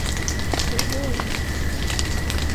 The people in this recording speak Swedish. Det är vår grupp.